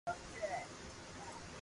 ھين ھون ڊ ڪري ديکاڙو